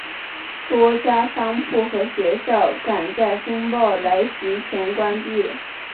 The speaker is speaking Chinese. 多家商铺和学校赶在风暴来袭前关闭。